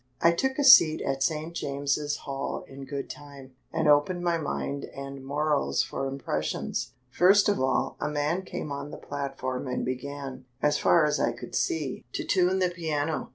I took a seat at St. James's Hall in good time, and opened my mind and morals for impressions. First of all, a man came on the platform and began, as far as I could see, to tune the piano.